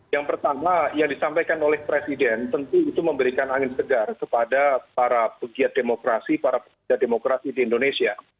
yang pertama yang disampaikan oleh presiden tentu itu memberikan angin segar kepada para pegiat demokrasi para pegiat demokrasi di indonesia